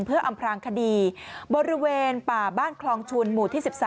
เพื่ออำพลางคดีบริเวณป่าบ้านคลองชุนหมู่ที่๑๓